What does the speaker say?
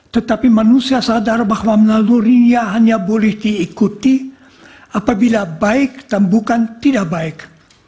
tetapi manusia sadar bahwa melaluinya hanya boleh diikuti apabila baik dan bukan tidak baik